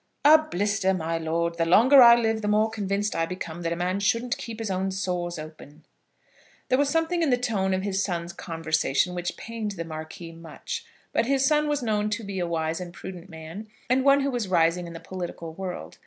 "A blister, my lord. The longer I live the more convinced I become that a man shouldn't keep his own sores open." There was something in the tone of his son's conversation which pained the Marquis much; but his son was known to be a wise and prudent man, and one who was rising in the political world.